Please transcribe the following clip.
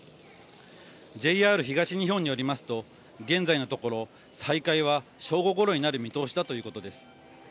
Ｊ東日本によりますと、現在のところ、再開は正午ごろになる見通しだということです。